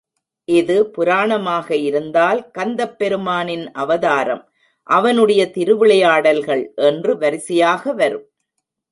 இது புராணமாக இருந்தால் கந்தப் பெருமானின் அவதாரம், அவனுடைய திருவிளையாடல்கள் என்று வரிசையாக வரும்.